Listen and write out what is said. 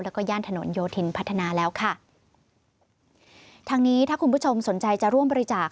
แล้วก็ย่านถนนโยธินพัฒนาแล้วค่ะทางนี้ถ้าคุณผู้ชมสนใจจะร่วมบริจาค